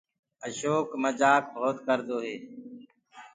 اشوڪ مجآ مجآڪ بهوت ڪردو هي۔